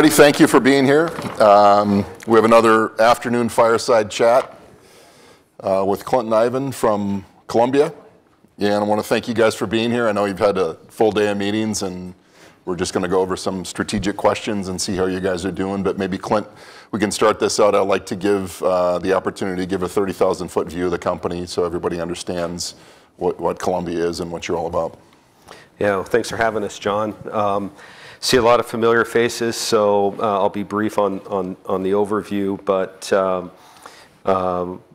Thank you for being here. We have another afternoon fireside chat with Clint and Ivan from Columbia. I wanna thank you guys for being here. I know you've had a full day of meetings, and we're just gonna go over some strategic questions and see how you guys are doing. Maybe, Clint, we can start this out. I'd like to give the opportunity to give a 30,000-foot view of the company so everybody understands what Columbia is and what you're all about. Yeah. Thanks for having us, Jon. See a lot of familiar faces, so I'll be brief on the overview.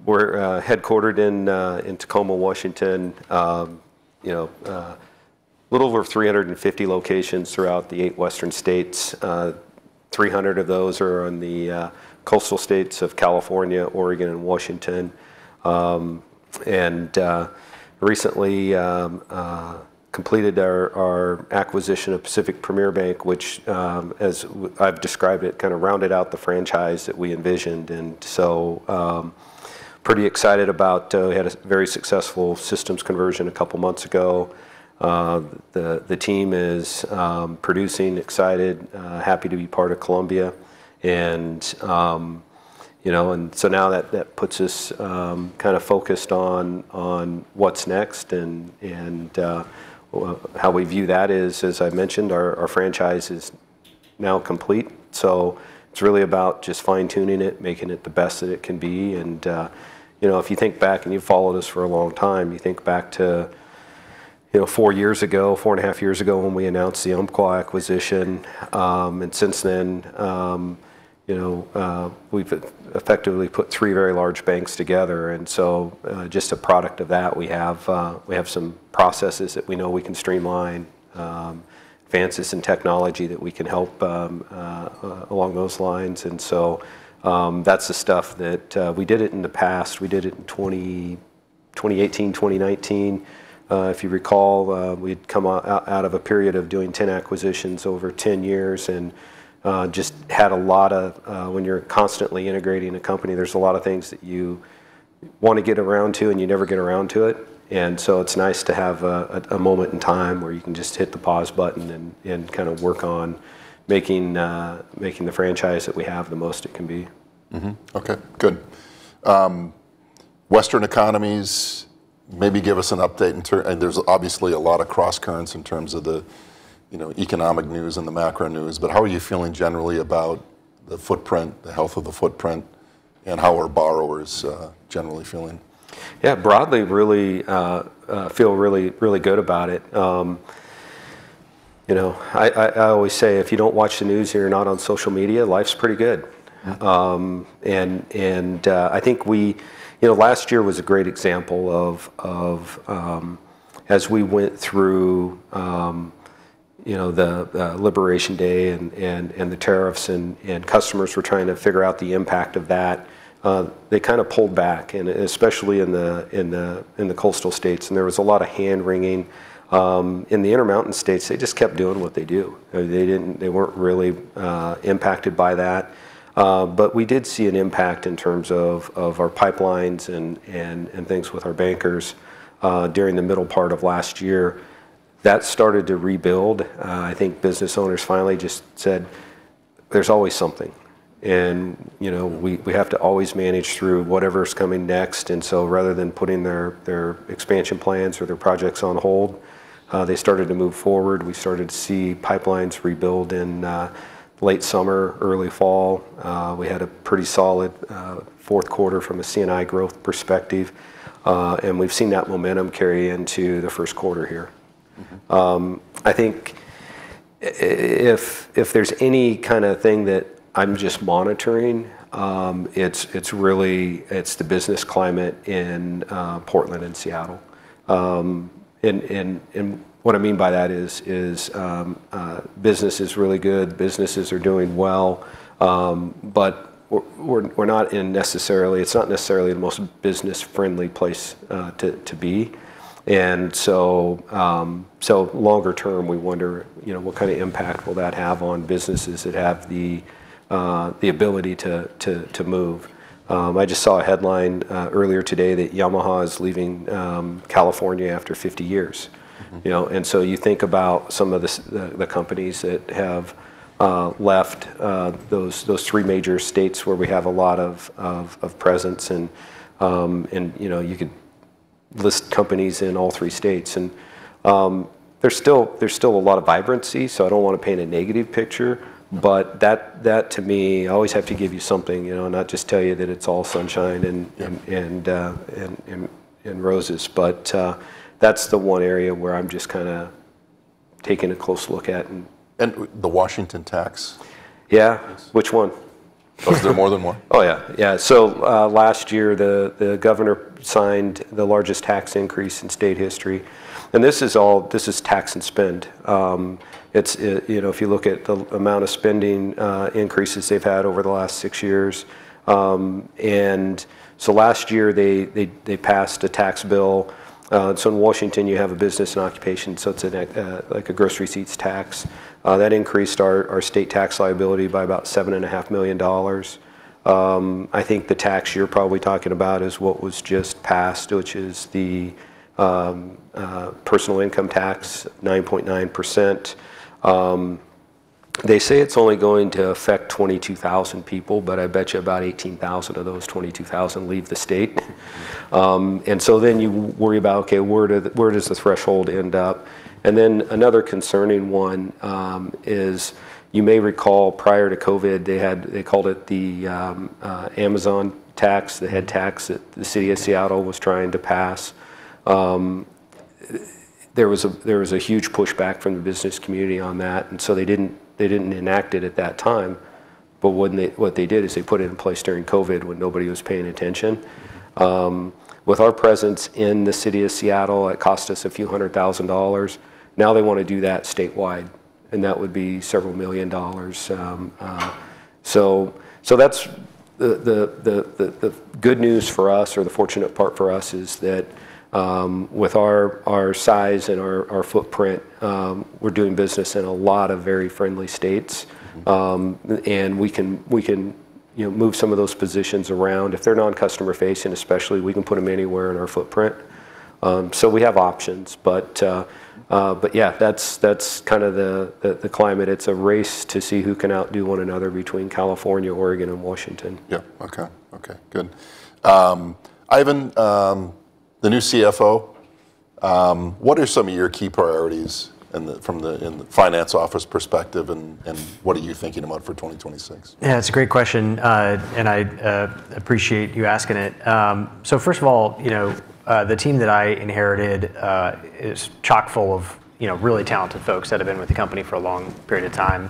We're headquartered in Tacoma, Washington. You know, little over 350 locations throughout the eight western states. 300 of those are in the coastal states of California, Oregon, and Washington. Recently completed our acquisition of Pacific Premier Bank, which, as I've described it, kinda rounded out the franchise that we envisioned. Pretty excited about we had a very successful systems conversion a couple months ago. The team is productive, excited, happy to be part of Columbia. you know, now that puts us kinda focused on what's next and how we view that is, as I've mentioned, our franchise is now complete, so it's really about just fine-tuning it, making it the best that it can be. you know, if you think back, and you've followed us for a long time, you think back to, you know, four years ago, four and a half years ago, when we announced the Umpqua acquisition. since then, you know, we've effectively put three very large banks together. just a product of that, we have some processes that we know we can streamline, advances in technology that we can help along those lines. That's the stuff that we did in the past. We did it in 2018, 2019. If you recall, we'd come out of a period of doing 10 acquisitions over 10 years, and just had a lot of, when you're constantly integrating a company, there's a lot of things that you wanna get around to, and you never get around to it. It's nice to have a moment in time where you can just hit the pause button and kinda work on making the franchise that we have the most it can be. Mm-hmm. Okay. Good. Western economies, maybe give us an update. There's obviously a lot of crosscurrents in terms of the, you know, economic news and the macro news. How are you feeling generally about the footprint, the health of the footprint, and how are borrowers, generally feeling? Yeah. Broadly, really feel really good about it. You know, I always say, if you don't watch the news, you're not on social media, life's pretty good. Mm-hmm. I think you know last year was a great example of the liberation day and the tariffs and customers were trying to figure out the impact of that they kinda pulled back and especially in the coastal states. There was a lot of hand-wringing. In the intermountain states they just kept doing what they do. They weren't really impacted by that. We did see an impact in terms of our pipelines and things with our bankers during the middle part of last year. That started to rebuild. I think business owners finally just said, "There's always something, and you know, we have to always manage through whatever's coming next." Rather than putting their expansion plans or their projects on hold, they started to move forward. We started to see pipelines rebuild in late summer, early fall. We had a pretty solid fourth quarter from a C&I growth perspective. We've seen that momentum carry into the first quarter here. Mm-hmm. I think if there's any kind of thing that I'm just monitoring, it's really the business climate in Portland and Seattle. What I mean by that is business is really good. Businesses are doing well. We're not necessarily in the most business-friendly place to be. Longer term, we wonder, you know, what kind of impact will that have on businesses that have the ability to move. I just saw a headline earlier today that Yamaha is leaving California after 50 years. Mm-hmm. You know, you think about some of the companies that have left those three major states where we have a lot of presence and, you know, you could list companies in all three states. There's still a lot of vibrancy, so I don't wanna paint a negative picture. That to me, I always have to give you something, you know, not just tell you that it's all sunshine and. Yeah and roses. That's the one area where I'm just kinda taking a close look at and- the Washington tax. Yeah. Which one? Is there more than one? Oh, yeah. Last year, the governor signed the largest tax increase in state history. This is all tax and spend. You know, if you look at the amount of spending increases they've had over the last six years. Last year, they passed a tax bill. In Washington, you have a business and occupation, so it's like a gross receipts tax. That increased our state tax liability by about $7.5 million. I think the tax you're probably talking about is what was just passed, which is the personal income tax, 9.9%. They say it's only going to affect 22,000 people, but I bet you about 18,000 of those 22,000 leave the state. You worry about where the threshold ends up. Another concerning one is you may recall prior to COVID, they had. They called it the Amazon tax, the head tax that the city of Seattle was trying to pass. There was a huge pushback from the business community on that, and they didn't enact it at that time. What they did is they put it in place during COVID when nobody was paying attention. With our presence in the city of Seattle, it cost us $a few hundred thousand. Now they wanna do that statewide, and that would be $several million. That's the good news for us, or the fortunate part for us is that with our size and our footprint, we're doing business in a lot of very friendly states. Mm-hmm. We can, you know, move some of those positions around. If they're non-customer facing especially, we can put them anywhere in our footprint. We have options. Yeah, that's kind of the climate. It's a race to see who can outdo one another between California, Oregon, and Washington. Yeah. Okay, okay. Good. Ivan, the new CFO, what are some of your key priorities in the finance office perspective, and what are you thinking about for 2026? Yeah, it's a great question. I appreciate you asking it. First of all, you know, the team that I inherited is chock full of, you know, really talented folks that have been with the company for a long period of time.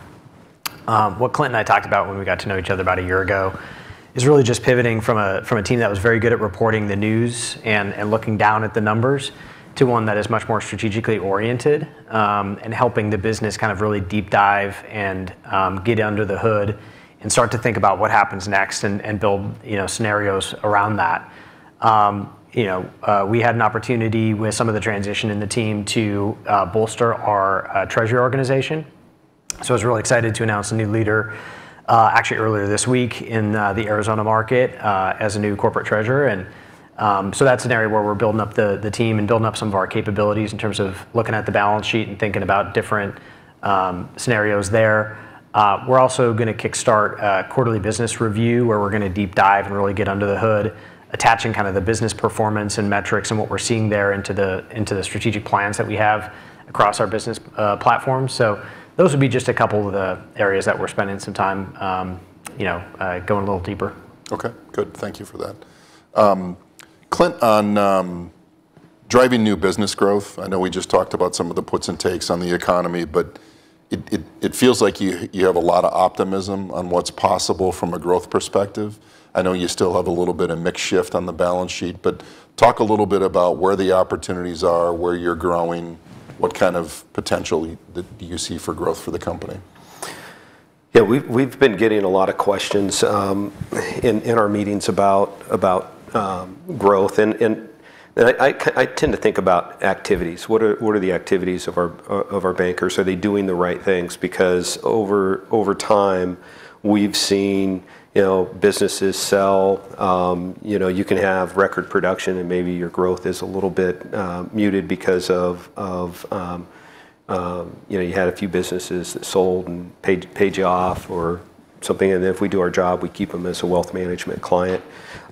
What Clint and I talked about when we got to know each other about a year ago is really just pivoting from a team that was very good at reporting the news and looking down at the numbers to one that is much more strategically oriented and helping the business kind of really deep dive and get under the hood and start to think about what happens next and build, you know, scenarios around that. You know, we had an opportunity with some of the transition in the team to bolster our treasury organization. I was really excited to announce a new leader, actually earlier this week in the Arizona market, as a new corporate treasurer. That's an area where we're building up the team and building up some of our capabilities in terms of looking at the balance sheet and thinking about different scenarios there. We're also gonna kickstart a quarterly business review, where we're gonna deep dive and really get under the hood, attaching kind of the business performance and metrics and what we're seeing there into the strategic plans that we have across our business platforms. Those would be just a couple of the areas that we're spending some time, you know, going a little deeper. Okay, good. Thank you for that. Clint, on driving new business growth, I know we just talked about some of the puts and takes on the economy, but it feels like you have a lot of optimism on what's possible from a growth perspective. I know you still have a little bit of mix shift on the balance sheet, but talk a little bit about where the opportunities are, where you're growing, what kind of potential do you see for growth for the company. Yeah, we've been getting a lot of questions in our meetings about growth. I tend to think about activities. What are the activities of our bankers? Are they doing the right things? Because over time, we've seen, you know, businesses sell, you know, you can have record production and maybe your growth is a little bit muted because of, you know, you had a few businesses that sold and paid you off or something. If we do our job, we keep them as a wealth management client.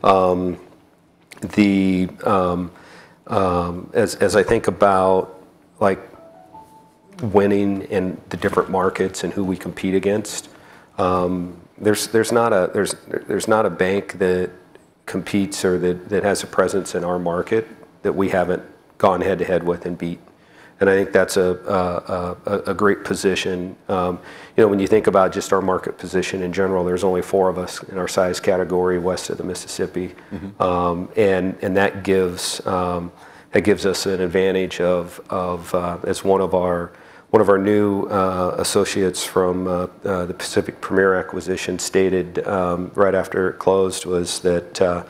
I think about, like, winning in the different markets and who we compete against, there's not a bank that competes or that has a presence in our market that we haven't gone head to head with and beat. I think that's a great position. You know, when you think about just our market position in general, there's only four of us in our size category west of the Mississippi. Mm-hmm. That gives us an advantage. As one of our new associates from the Pacific Premier acquisition stated right after it closed was that,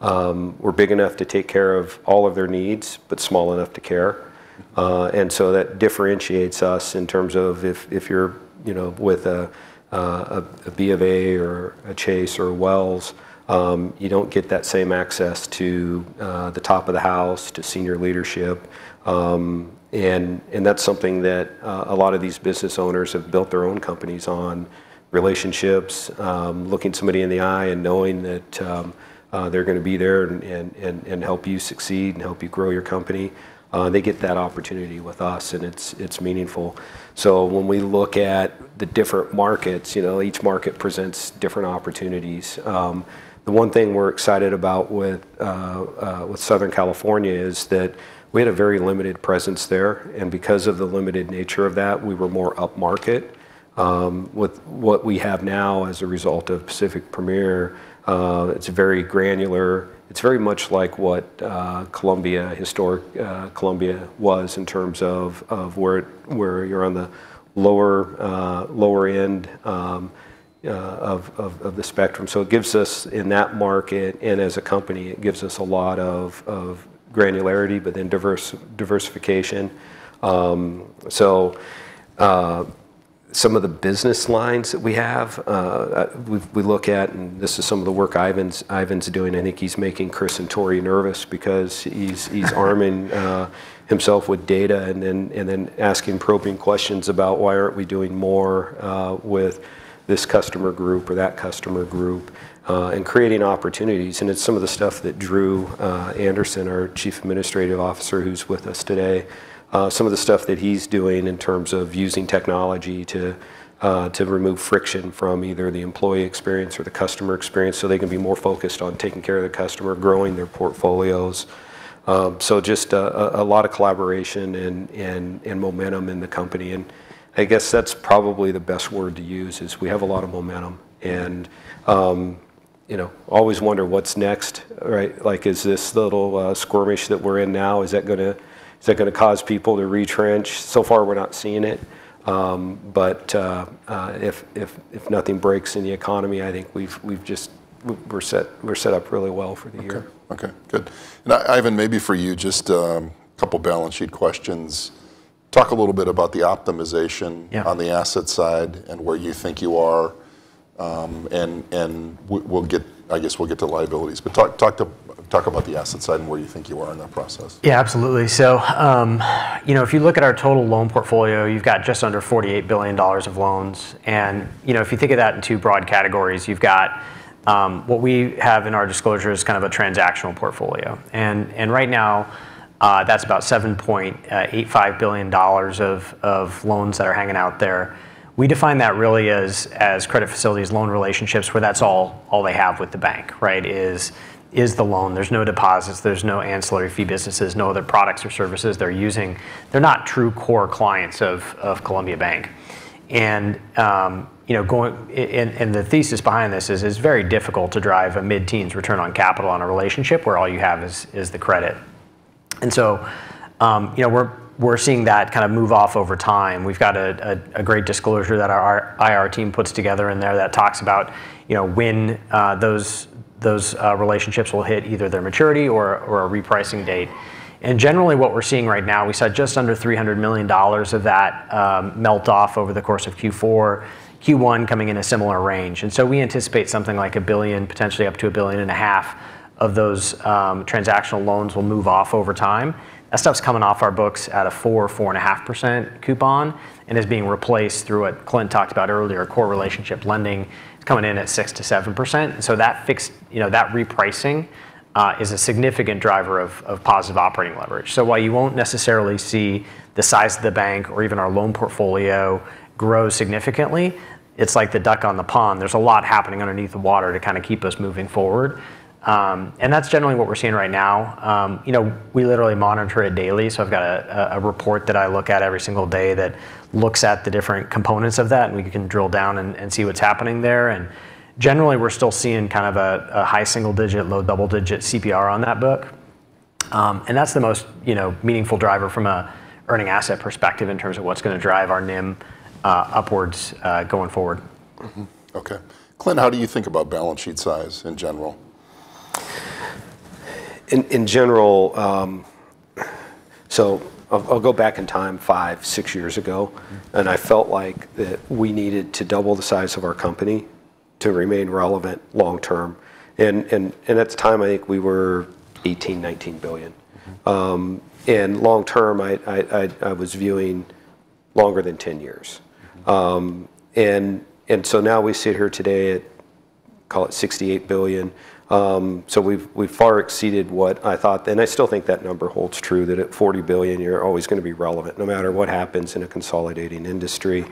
we're big enough to take care of all of their needs, but small enough to care. That differentiates us in terms of if you're, you know, with a B of A or a Chase or Wells, you don't get that same access to the top of the house, to senior leadership. That's something that a lot of these business owners have built their own companies on, relationships, looking somebody in the eye and knowing that they're gonna be there and help you succeed and help you grow your company. They get that opportunity with us, and it's meaningful. When we look at the different markets, you know, each market presents different opportunities. The one thing we're excited about with Southern California is that we had a very limited presence there, and because of the limited nature of that, we were more up market. With what we have now as a result of Pacific Premier, it's very granular. It's very much like what Columbia, historic Columbia was in terms of where you're on the lower end of the spectrum. It gives us, in that market and as a company, a lot of granularity, but then diversification. Some of the business lines that we have, we look at, and this is some of the work Ivan's doing. I think he's making Chris and Tory nervous because he's arming himself with data and then asking probing questions about why aren't we doing more with this customer group or that customer group, and creating opportunities, and it's some of the stuff that Drew Anderson, our Chief Administrative Officer who's with us today, some of the stuff that he's doing in terms of using technology to remove friction from either the employee experience or the customer experience so they can be more focused on taking care of the customer, growing their portfolios. Just a lot of collaboration and momentum in the company, and I guess that's probably the best word to use, is we have a lot of momentum. You know, always wonder what's next, right? Like, is this little skirmish that we're in now, is that gonna cause people to retrench? So far we're not seeing it. If nothing breaks in the economy, I think we've just we're set up really well for the year. Okay. Good. Now, Ivan, maybe for you, just a couple balance sheet questions. Talk a little bit about the optimization. Yeah on the asset side and where you think you are. We'll get to liabilities, I guess, but talk about the asset side and where you think you are in that process. Yeah, absolutely. You know, if you look at our total loan portfolio, you've got just under $48 billion of loans, and you know, if you think of that in two broad categories, you've got what we have in our disclosure is kind of a transactional portfolio, and right now, that's about $7.85 billion of loans that are hanging out there. We define that really as credit facilities, loan relationships, where that's all they have with the bank, right, is the loan. There's no deposits, there's no ancillary fee businesses, no other products or services they're using. They're not true core clients of Columbia Bank. You know, the thesis behind this is it's very difficult to drive a mid-teens return on capital on a relationship where all you have is the credit. You know, we're seeing that kind of move off over time. We've got a great disclosure that our IR team puts together in there that talks about, you know, when those relationships will hit either their maturity or a repricing date. Generally what we're seeing right now, we saw just under $300 million of that melt off over the course of Q4, Q1 coming in a similar range. We anticipate something like $1 billion, potentially up to $1.5 billion of those transactional loans will move off over time. That stuff's coming off our books at a 4%-4.5% coupon, and is being replaced through what Clint talked about earlier, core relationship lending. It's coming in at 6%-7%. That fixed. You know, that repricing is a significant driver of positive operating leverage. While you won't necessarily see the size of the bank or even our loan portfolio grow significantly, it's like the duck on the pond. There's a lot happening underneath the water to kind of keep us moving forward. That's generally what we're seeing right now. We literally monitor it daily, so I've got a report that I look at every single day that looks at the different components of that, and we can drill down and see what's happening there. Generally, we're still seeing kind of a high single digit, low double digit CPR on that book. That's the most, you know, meaningful driver from a earning asset perspective in terms of what's gonna drive our NIM upwards going forward. Okay. Clint, how do you think about balance sheet size in general? In general, I'll go back in time five ,six years ago. Mm-hmm. I felt like that we needed to double the size of our company to remain relevant long term. At the time, I think we were $18 billion-$19 billion. Mm-hmm. I was viewing longer than 10 years. Mm-hmm. Now we sit here today at, call it $68 billion. We've far exceeded what I thought. I still think that number holds true. At $40 billion you're always gonna be relevant, no matter what happens in a consolidating industry.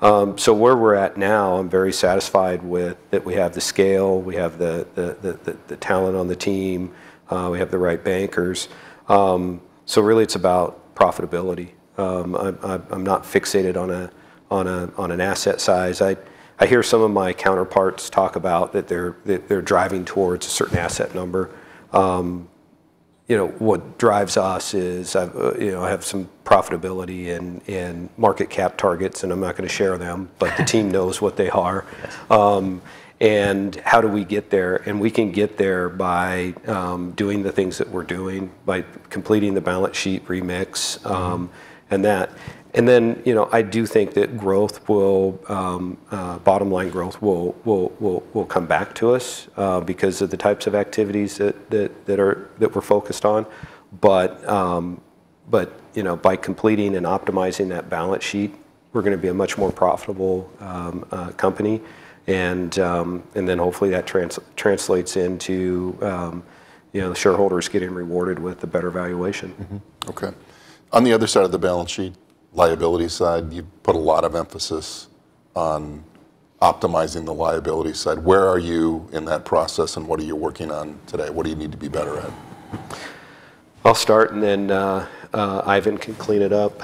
Where we're at now, I'm very satisfied with that we have the scale, we have the talent on the team, we have the right bankers. Really it's about profitability. I'm not fixated on an asset size. I hear some of my counterparts talk about that they're driving towards a certain asset number. You know, what drives us is I have some profitability and market cap targets, and I'm not gonna share them. The team knows what they are. Yes. How do we get there? We can get there by doing the things that we're doing, by completing the balance sheet remix, and that. Then, you know, I do think that bottom line growth will come back to us because of the types of activities that we're focused on. You know, by completing and optimizing that balance sheet, we're gonna be a much more profitable company. Hopefully that translates into, you know, the shareholders getting rewarded with a better valuation. Mm-hmm. Okay. On the other side of the balance sheet, liability side, you put a lot of emphasis on optimizing the liability side. Where are you in that process, and what are you working on today? What do you need to be better at? I'll start and then, Ivan can clean it up.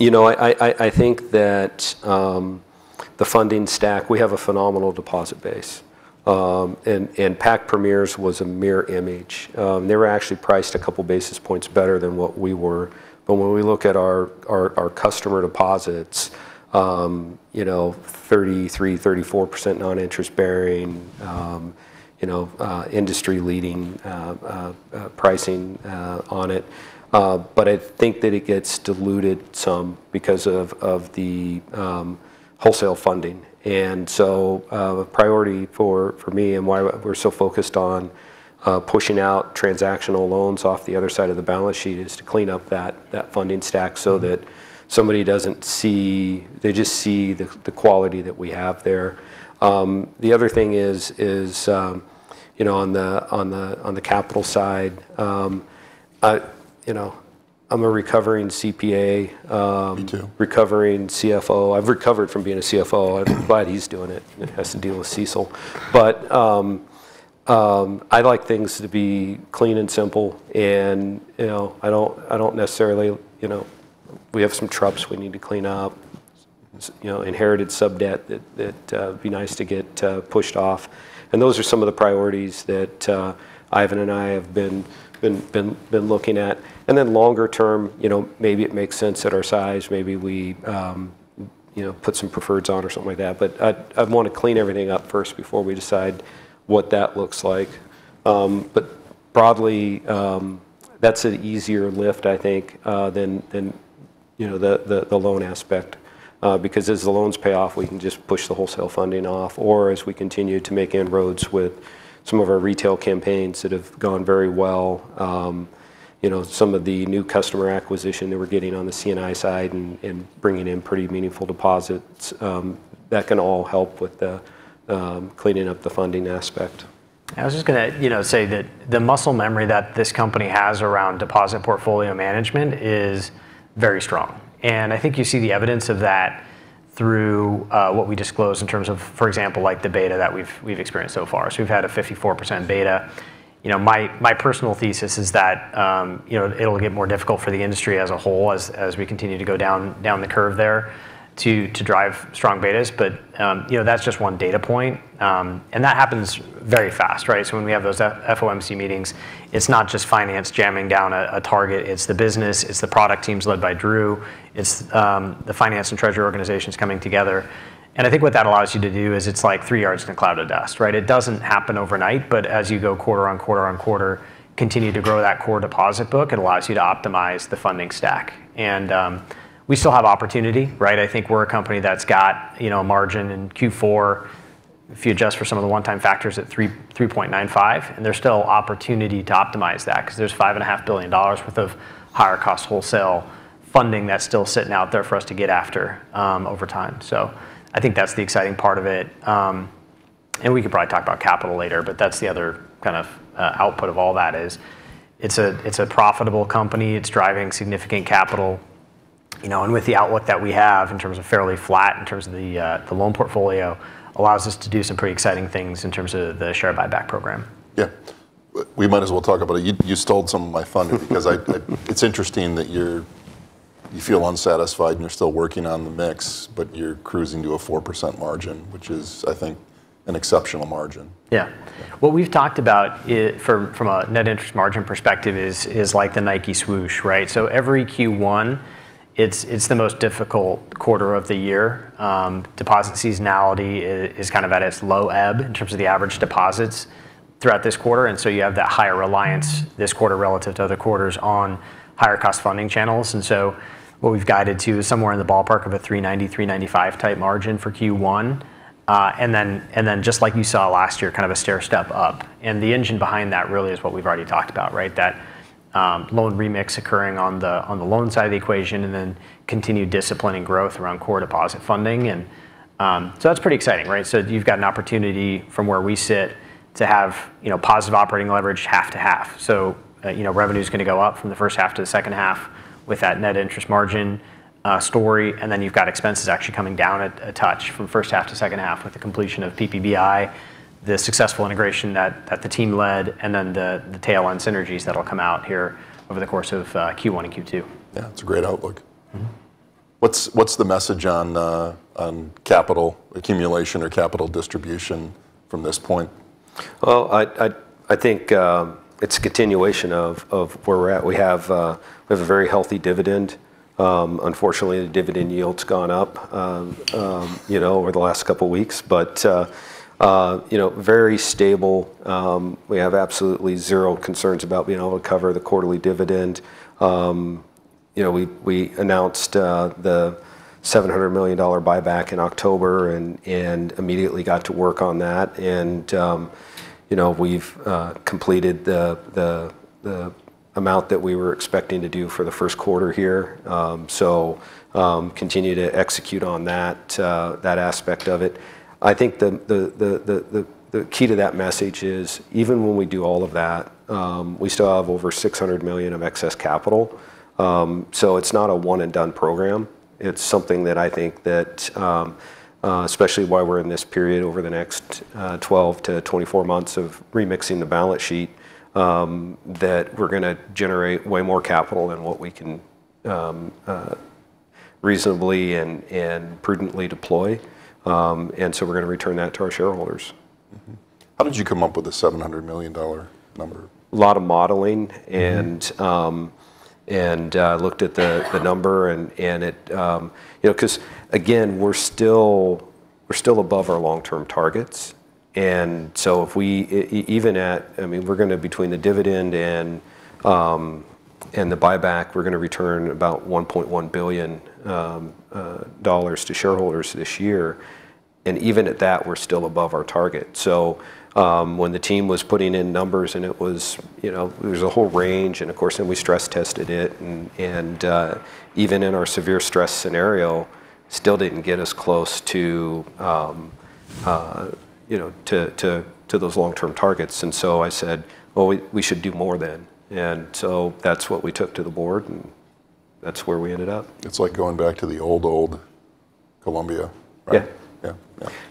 You know, I think that the funding stack, we have a phenomenal deposit base. Pacific Premier's was a mirror image. They were actually priced a couple basis points better than what we were. When we look at our customer deposits, you know, 33%, 34% non-interest bearing, you know, industry-leading pricing on it. I think that it gets diluted some because of the wholesale funding. A priority for me and why we're so focused on pushing out transactional loans off the other side of the balance sheet is to clean up that funding stack so that somebody doesn't see, they just see the quality that we have there. The other thing is, you know, on the capital side, you know, I'm a recovering CPA. Me too. Recovering CFO. I've recovered from being a CFO. I'm glad he's doing it and has to deal with CECL. I like things to be clean and simple. You know, I don't necessarily, you know, we have some TruPS we need to clean up, you know, inherited sub-debt that would be nice to get pushed off. Those are some of the priorities that Ivan and I have been looking at. Then longer term, you know, maybe it makes sense at our size. Maybe we, you know, put some preferreds on or something like that. I want to clean everything up first before we decide what that looks like. Broadly, that's an easier lift, I think, than, you know, the loan aspect. Because as the loans pay off, we can just push the wholesale funding off. As we continue to make inroads with some of our retail campaigns that have gone very well, you know, some of the new customer acquisition that we're getting on the C&I side and bringing in pretty meaningful deposits, that can all help with cleaning up the funding aspect. I was just going to, you know, say that the muscle memory that this company has around deposit portfolio management is very strong. I think you see the evidence of that through what we disclose in terms of, for example, like the beta that we've experienced so far. We've had a 54% beta. You know, my personal thesis is that, you know, it'll get more difficult for the industry as a whole as we continue to go down the curve there to drive strong betas. You know, that's just one data point. That happens very fast, right? When we have those FOMC meetings, it's not just finance jamming down a target. It's the business. It's the product teams led by Drew. It's the finance and treasury organizations coming together. I think what that allows you to do is it's like three yards in a cloud of dust, right? It doesn't happen overnight. As you go quarter-over-quarter, continue to grow that core deposit book, it allows you to optimize the funding stack. We still have opportunity, right? I think we're a company that's got, you know, a margin in Q4, if you adjust for some of the one-time factors at 3.95%. There's still opportunity to optimize that because there's $5.5 billion worth of higher cost wholesale funding that's still sitting out there for us to get after it over time. I think that's the exciting part of it. We could probably talk about capital later, but that's the other kind of output of all that is it's a profitable company. It's driving significant capital, you know, and with the outlook that we have in terms of fairly flat in terms of the loan portfolio allows us to do some pretty exciting things in terms of the share buyback program. Yeah. We might as well talk about it. You stole some of my thunder because it's interesting that you feel unsatisfied and you're still working on the mix, but you're cruising to a 4% margin, which is, I think, an exceptional margin. Yeah. What we've talked about from a net interest margin perspective is like the Nike swoosh, right? Every Q1, it's the most difficult quarter of the year. Deposit seasonality is kind of at its low ebb in terms of the average deposits throughout this quarter. You have that higher reliance this quarter relative to other quarters on higher cost funding channels. What we've guided to is somewhere in the ballpark of a 390-395 type margin for Q1. Just like you saw last year, kind of a stair step up. The engine behind that really is what we've already talked about, right? That loan remix occurring on the loan side of the equation and then continued discipline and growth around core deposit funding. That's pretty exciting, right? You've got an opportunity from where we sit to have positive operating leverage half to half. Revenue is going to go up from the first half to the second half with that net interest margin story. You've got expenses actually coming down a touch from first half to second half with the completion of PPBI, the successful integration that the team led, and then the tail on synergies that will come out here over the course of Q1 and Q2. Yeah, that's a great outlook. What's the message on capital accumulation or capital distribution from this point? Well, I think it's a continuation of where we're at. We have a very healthy dividend. Unfortunately, the dividend yield's gone up over the last couple weeks, but very stable. We have absolutely zero concerns about being able to cover the quarterly dividend. We announced the $700 million buyback in October and immediately got to work on that. We've completed the amount that we were expecting to do for the first quarter here. Continue to execute on that aspect of it. I think the key to that message is even when we do all of that, we still have over $600 million of excess capital. It's not a one and done program. It's something that I think that especially why we're in this period over the next 12 months-24 months of remixing the balance sheet that we're going to generate way more capital than what we can reasonably and prudently deploy. We're gonna return that to our shareholders. How did you come up with the $700 million number? A lot of modeling. Mm. Looked at the number and it, you know, 'cause again, we're still above our long-term targets. If we even at, I mean, we're gonna, between the dividend and the buyback, we're gonna return about $1.1 billion to shareholders this year, and even at that, we're still above our target. When the team was putting in numbers and it was, you know, there was a whole range, and of course, we stress tested it and, even in our severe stress scenario, still didn't get us close to, you know, to those long-term targets. I said, "Well, we should do more then." That's what we took to the board and that's where we ended up. It's like going back to the old Columbia, right? Yeah. Yeah.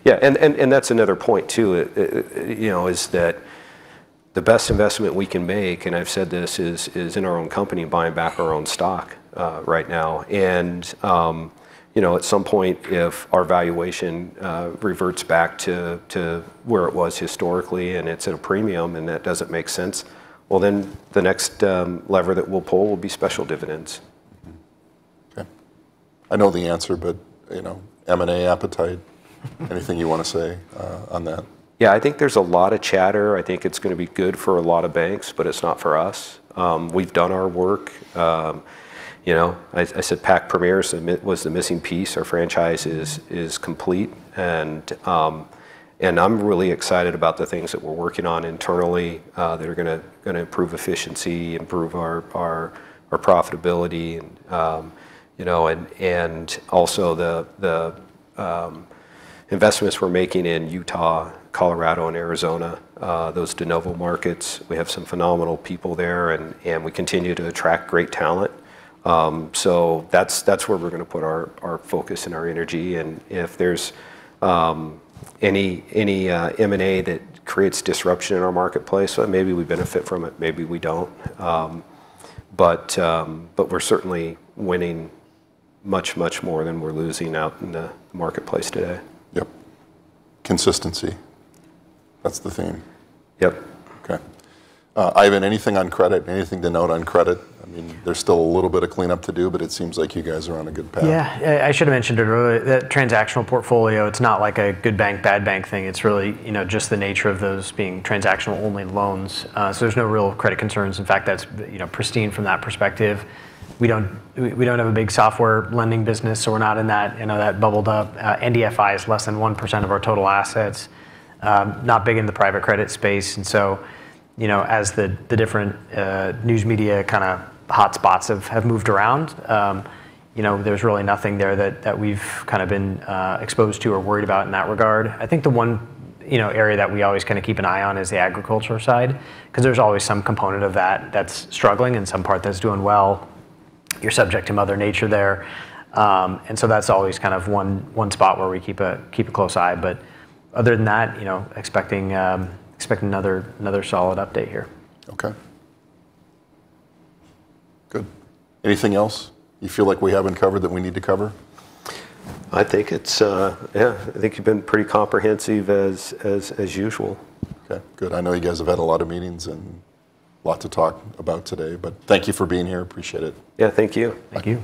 Yeah. Yeah. That's another point too, you know, is that the best investment we can make, and I've said this, is in our own company, buying back our own stock, right now. You know, at some point, if our valuation reverts back to where it was historically and it's at a premium and that doesn't make sense, well, then the next lever that we'll pull will be special dividends. Okay. I know the answer, but, you know, M&A appetite. Anything you wanna say on that? Yeah. I think there's a lot of chatter. I think it's gonna be good for a lot of banks, but it's not for us. We've done our work. You know, I said Pacific Premier's was the missing piece. Our franchise is complete and I'm really excited about the things that we're working on internally that are gonna improve efficiency, improve our profitability, and you know, and also the investments we're making in Utah, Colorado, and Arizona, those de novo markets. We have some phenomenal people there and we continue to attract great talent. So that's where we're gonna put our focus and our energy, and if there's any M&A that creates disruption in our marketplace, maybe we benefit from it, maybe we don't. We're certainly winning much, much more than we're losing out in the marketplace today. Yep. Consistency, that's the theme. Yep. Okay. Ivan, anything on credit? Anything to note on credit? I mean, there's still a little bit of cleanup to do, but it seems like you guys are on a good path. Yeah. Yeah, I should have mentioned it earlier. That transactional portfolio, it's not like a good bank, bad bank thing. It's really, you know, just the nature of those being transactional only loans. There's no real credit concerns. In fact, that's, you know, pristine from that perspective. We don't have a big software lending business, so we're not in that, you know, that bubbled up. MDI is less than 1% of our total assets. Not big in the private credit space, and so, you know, as the different news media kinda hotspots have moved around, you know, there's really nothing there that we've kinda been exposed to or worried about in that regard. I think the one, you know, area that we always kinda keep an eye on is the agriculture side, 'cause there's always some component of that that's struggling and some part that's doing well. You're subject to mother nature there. That's always kind of one spot where we keep a close eye, but other than that, you know, expect another solid update here. Okay. Good. Anything else you feel like we haven't covered that we need to cover? I think it's, yeah, I think you've been pretty comprehensive as usual. Okay. Good. I know you guys have had a lot of meetings and lot to talk about today, but thank you for being here. Appreciate it. Yeah. Thank you. Thank you.